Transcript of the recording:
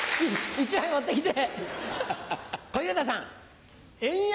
１枚持ってきて。